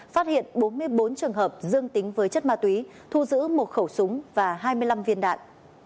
phát hiện bốn mươi bốn trường hợp dương tính với chất ma túy thu giữ một khẩu súng và hai mươi năm viên đạn